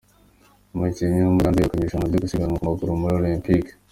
Umukinnyi w’umugande yegukanye Irushanwa Ryogusigana Kumaguru Muri Olempike